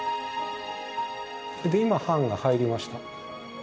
で今版が入りました。